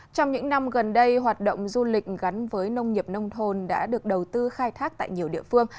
trong những năm gần đây hoạt động du lịch gắn với nông nghiệp nông thôn đã được đầu tư khai thác tại nhiều địa phương